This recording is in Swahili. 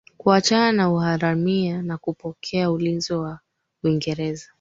kuachana na uharamia na kupokea ulinzi wa Uingereza